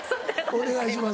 お願いします。